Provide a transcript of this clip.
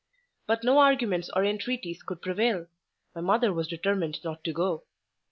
But no arguments or entreaties could prevail: my mother was determined not to go.